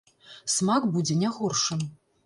Смак будзе не горшым!